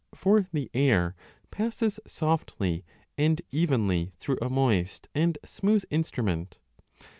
For the air passes softly and evenly through a moist and smooth instrument.